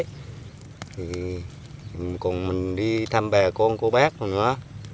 thì cùng mình đi thăm bè con cô bác còn nữa